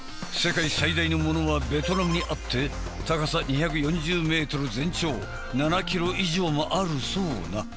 世界最大のものはベトナムにあって高さ２４０ｍ全長７ｋｍ以上もあるそうな。